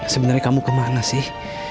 sebenarnya kamu ke mana sih